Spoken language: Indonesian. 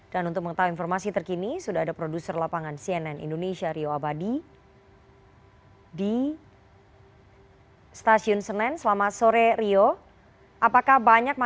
dan untuk mengetahui informasi terkini sudah ada produser lapangan cnn indonesia rio abad